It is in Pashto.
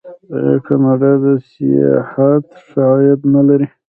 آیا کاناډا د سیاحت ښه عاید نلري؟